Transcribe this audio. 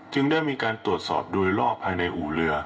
ได้มีการตรวจสอบโดยรอบภายในอู่เรือ